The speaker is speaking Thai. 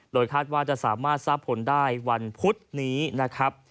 โดยคาดว่าจะสามารถทราบผลได้วันพุธนี้นะครับ